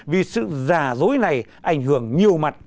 vì sự giả dối này ảnh hưởng nhiều mặt